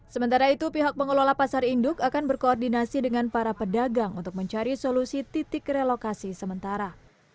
sementara itu pihak pengelola pasar induk akan berkoordinasi dengan para pedagang untuk mencari solusi titik relokasi sementara